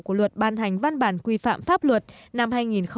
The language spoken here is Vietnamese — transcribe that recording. của luật ban hành văn bản quy phạm pháp luật năm hai nghìn một mươi bảy